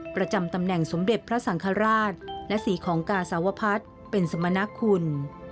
ประจำตำแหน่งสมเด็จพระสังฆราชและสีของกาสาวพัฒน์เป็นสมณคุณ